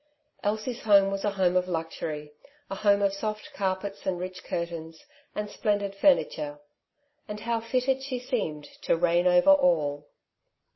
Elsie's home was a home of luxury, a home of soft carpets, and rich curtains, and splendid furni ture ; and how fitted she seemed to reign over all